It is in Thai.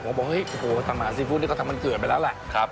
ผมก็บอกให้ทำอาหารซีฟู้ดนี่เค้าทำบรรเกิดไปแล้วแหละ